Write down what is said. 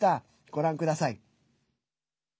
ご覧ください。